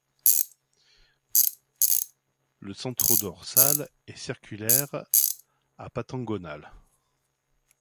Le centrodorsal est circulaire à pentagonal.